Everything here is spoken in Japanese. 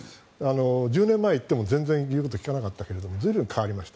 １０年前言っても全然いうこと聞いてくれなかったけど随分変わりました。